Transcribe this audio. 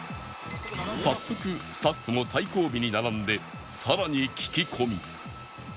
早速スタッフも最後尾に並んで更に聞き込み